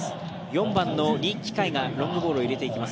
４番のリ・キカイがロングボールを入れていきます。